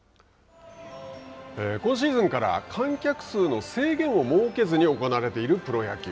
今シーズンから観客数の制限を設けずに行われているプロ野球。